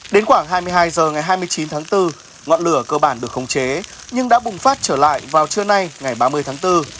đến khoảng hai mươi hai h ngày hai mươi chín tháng bốn ngọn lửa cơ bản được khống chế nhưng đã bùng phát trở lại vào trưa nay ngày ba mươi tháng bốn